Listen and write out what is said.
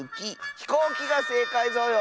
「ひこうき」がせいかいぞよ！